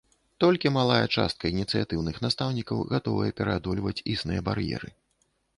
Толькі малая частка ініцыятыўных настаўнікаў гатовая пераадольваць існыя бар'еры.